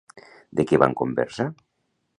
De què van conversar?